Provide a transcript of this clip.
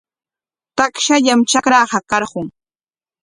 Takshallam trakraqa karqun.